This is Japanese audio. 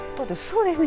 そうですね。